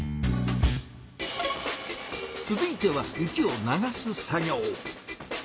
続いては雪を「流す」作業。